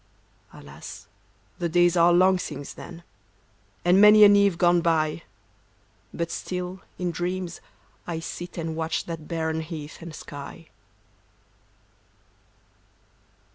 Alas, the days are long since then. And many an eve gone by. But still in dreams I sit and watch That barren heath and sky.